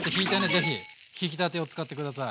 ぜひひきたてを使って下さい。